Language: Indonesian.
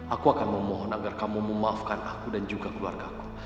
aku akan memohon agar kamu memaafkan aku dan juga keluargaku